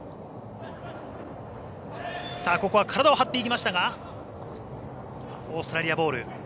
ここは体を張っていきましたがオーストラリアボール。